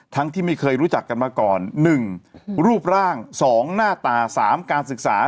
ทั้งที่ไม่เคยรู้จักกันมาก่อนหนึ่งรูปร่างสองหน้าตาสามการศึกษา